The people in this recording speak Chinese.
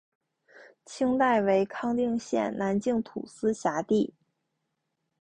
清代为康定县南境土司辖地。